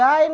ya udah be